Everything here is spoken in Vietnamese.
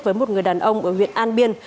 với một người đàn ông ở huyện an biên